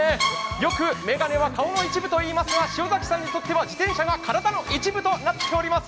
よく眼鏡は顔の一部といいますが、塩崎さんにとっては自転車が体の一部となっています。